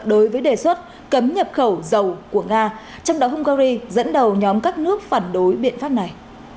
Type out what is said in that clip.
đối với đề xuất cấm nhập khẩu dầu của nga trong đó hungary dẫn đầu nhóm các nước phản đối biện pháp này